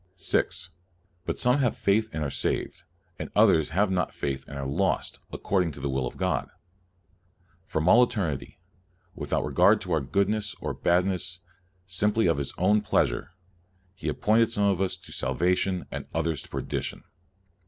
6. But some have faith and are saved, and others have not faith and are lost, ac cording to the will of God. From all eternity, without regard to our goodness or our badness, simply of His own pleasure, He appointed some of us to salvation and others to perdition.